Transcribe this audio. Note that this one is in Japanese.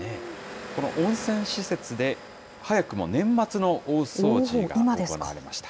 この温泉施設で、早くも年末の大掃除が行われました。